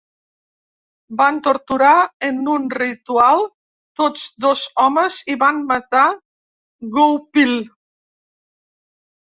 Van torturar en un ritual tots dos homes i van matar Goupil.